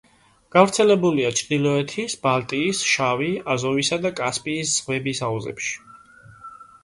გავრცელებულია ჩრდილოეთის, ბალტიის, შავი, აზოვისა და კასპიის ზღვების აუზებში.